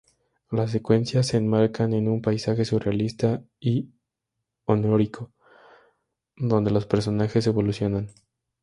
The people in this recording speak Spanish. Las secuencias se enmarcan en un paisaje surrealista y onírico donde los personajes evolucionan.